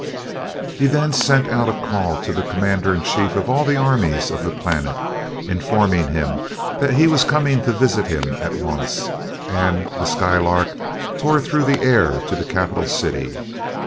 He then sent out a call to the commander in chief of all the armies of the planet, informing him that he was coming to visit him at once, and the Skylark tore through the air to the capital city.